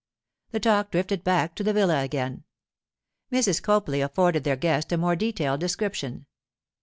The talk drifted back to the villa again. Mrs. Copley afforded their guest a more detailed description.